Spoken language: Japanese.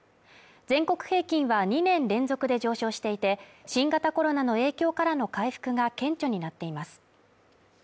全国平均は２年連続で上昇していて、新型コロナの影響からの回復が顕著になっています。